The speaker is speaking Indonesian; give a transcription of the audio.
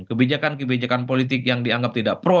kebijakan kebijakan politik yang dianggap tidak pro